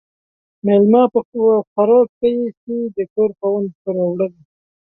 ميلمه په خوراک ِښه ايسي ، د کور خاوند ، په راوړلو.